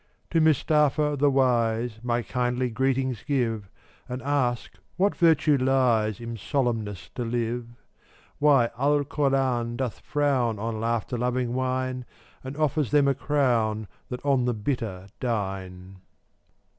404 To Mustapha, the wise, My kindly greetings give, And ask what virtue lies In solemnness to live; Why Alkoran doth frown On laughter loving wine, And offers them a crown That on the bitter dine.